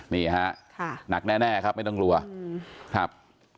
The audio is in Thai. นี่ฮะหนักแน่ครับไม่ต้องกลัวครับ